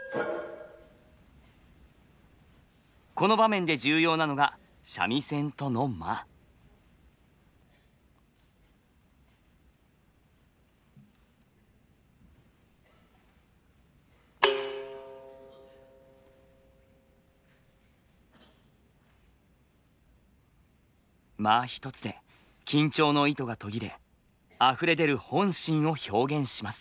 この場面で重要なのが間一つで緊張の糸が途切れあふれ出る本心を表現します。